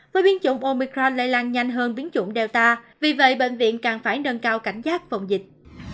với biến chủng omicron lây lan nhanh hơn biến chủng delta vì vậy bệnh viện càng phải nâng cao cảnh giác phòng dịch